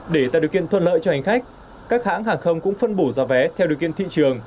để tạo điều kiện thuận lợi cho hành khách các hãng hàng không cũng phân bổ giá vé theo điều kiện thị trường